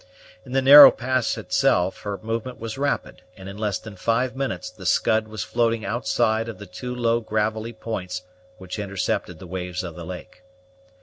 In the narrow pass itself her movement was rapid, and in less than five minutes the Scud was floating outside of the two low gravelly points which intercepted the waves of the lake.